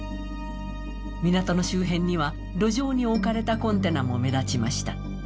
港の周辺には路上に置かれたコンテナも目立ちました。